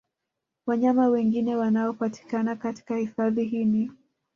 Wanyama wengine wanaopatikana katika hifadhi hii ni